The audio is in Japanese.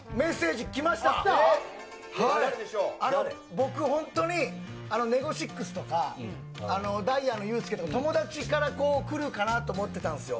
僕、本当にネゴシックスとか、ダイアンのユースケとか、友達から来るかなと思ってたんですよ。